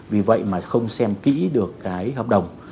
vì vậy mà không xem kỹ được cái hợp đồng